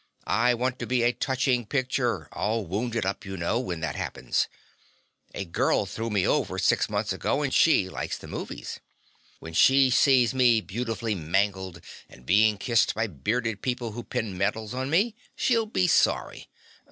I want to be a touching picture, all wounded up, you know, when that happens. A girl threw me over about six months ago and she likes the movies. When she sees me beautifully mangled and being kissed by bearded people who pin medals on me she'll be sorry.